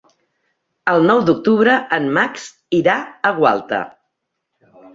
El nou d'octubre en Max irà a Gualta.